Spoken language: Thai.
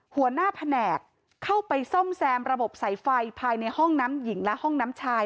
หัวหน้าแผนกเข้าไปซ่อมแซมระบบสายไฟภายในห้องน้ำหญิงและห้องน้ำชาย